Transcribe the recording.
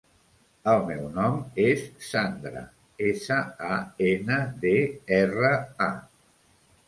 El meu nom és Sandra: essa, a, ena, de, erra, a.